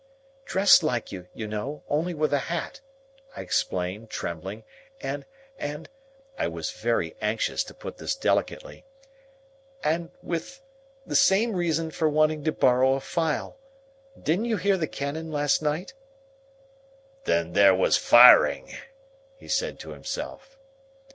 "Dressed like you, you know, only with a hat," I explained, trembling; "and—and"—I was very anxious to put this delicately—"and with—the same reason for wanting to borrow a file. Didn't you hear the cannon last night?" "Then there was firing!" he said to himself.